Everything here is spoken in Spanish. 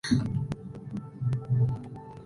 Actualmente se encuentra en el Museo de Burgos.